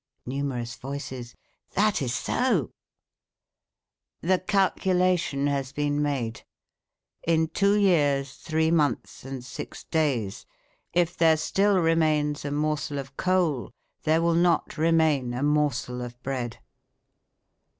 (Numerous voices: 'That is so'). The calculation has been made: in two years, three months, and six days, if there still remains a morsel of coal there will not remain a morsel of bread!